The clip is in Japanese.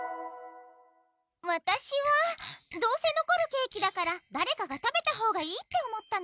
わたしはどうせのこるケーキだからだれかが食べたほうがいいって思ったの。